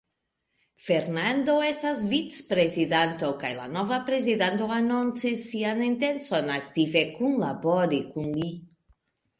Fernando estos vicprezidanto, kaj la nova prezidanto anoncis sian intencon aktive kunlabori kun li.